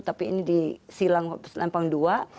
tapi ini di selempang dua